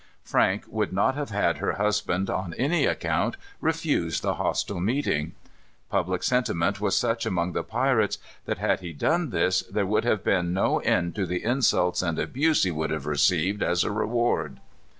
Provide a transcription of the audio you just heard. Frank would not have had her husband, on any account, refuse the hostile meeting. Public sentiment was such among the pirates, that had he done this, there would have been no end to the insults and abuse he would have received as a reward.